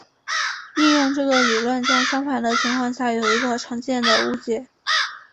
应用这个理论在相反的情况下有一个常见的误解。